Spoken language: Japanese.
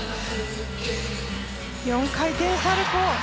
４回転サルコウ。